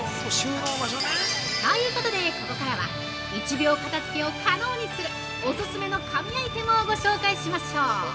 ということで、ここからは１秒片づけを可能にするオススメの神アイテムをご紹介しましょう！